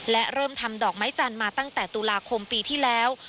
และเริ่มทำดอกไม้จันทร์มาตั้งแต่ตุลาคมปีที่แล้ว